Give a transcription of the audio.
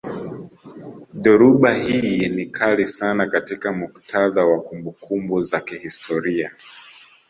Dhoruba hii ni kali sana katika muktadha wa kumbukumbu za kihistoria